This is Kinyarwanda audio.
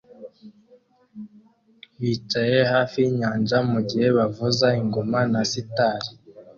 bicaye hafi yinyanja mugihe bavuza ingoma na sitar